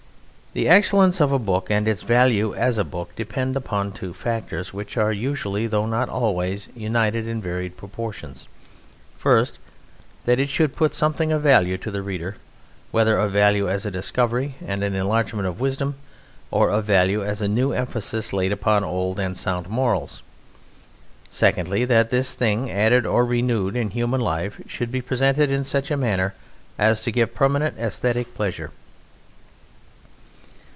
The excellence of a book and its value as a book depend upon two factors, which are usually, though not always, united in varied proportions: first, that it should put something of value to the reader, whether of value as a discovery and an enlargement of wisdom or of value as a new emphasis laid upon old and sound morals; secondly, that this thing added or renewed in human life should be presented in such a manner as to give permanent aesthetic pleasure.